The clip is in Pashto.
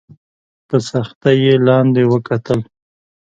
په سختۍ یې لاندي وکتل !